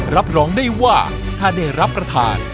รับรองได้ว่าถ้าได้รับประทาน